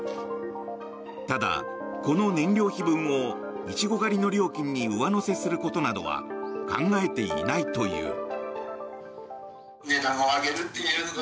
ただ、この燃料費分をイチゴ狩りの料金に上乗せすることなどは考えていないという。